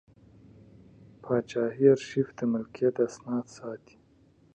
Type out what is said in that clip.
پاچاهي ارشیف د ملکیت اسناد ساتي.